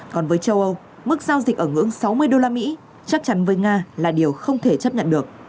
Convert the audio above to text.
còn với châu âu mức giao dịch ở ngưỡng sáu mươi đô la mỹ chắc chắn với nga là điều không thể chấp nhận được